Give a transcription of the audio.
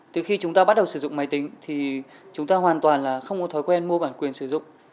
từ khi chúng ta bắt đầu sử dụng máy tính thì chúng ta hoàn toàn là không có thói quen mua bản quyền sử dụng